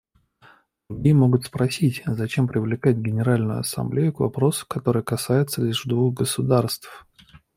Другие могут спросить: зачем привлекать Генеральную Ассамблею к вопросу, который касается лишь двух государств?